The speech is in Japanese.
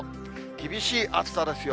厳しい暑さですよ。